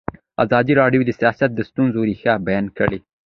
ازادي راډیو د سیاست د ستونزو رېښه بیان کړې.